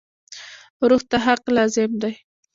روح ته حق لازم دی.